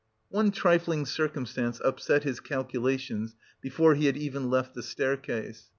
One trifling circumstance upset his calculations, before he had even left the staircase.